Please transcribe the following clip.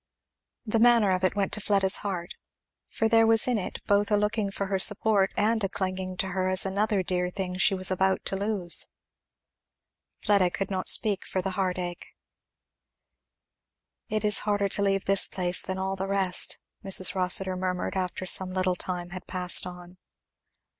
The manner of it went to Fleda's heart, for there was in it both a looking to her for support and a clinging to her as another dear thing she was about to lose. Fleda could not speak for the heart ache. "It is harder to leave this place than all the rest," Mrs. Rossitur murmured, after some little time had passed on.